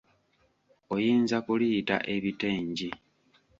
Oyinza kuliyita ebitengi.